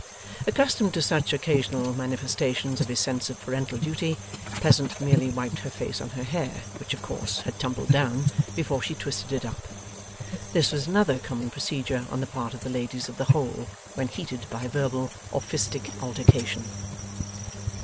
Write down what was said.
Accustomed to such occasional manifestations of his sense of parental duty, Pleasant merely wiped her face on her hair (which of course had tumbled down) before she twisted it up. This was another common procedure on the part of the ladies of the Hole, when heated by verbal or fistic altercation.